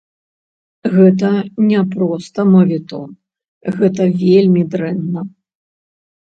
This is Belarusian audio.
Гэта не проста маветон, гэта вельмі дрэнна.